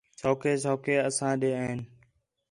سوکھے سوکھے اساں ݙے این